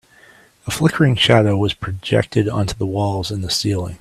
A flickering shadow was projected onto the walls and the ceiling.